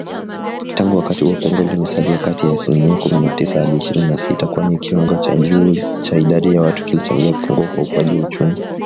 Tangu wakati huo pengo limesalia kati ya asilimia kumi na tisa hadi ishirini na sita, kwani kiwango cha juu cha idadi ya watu kilichangia kupungua kwa ukuaji wa uchumi.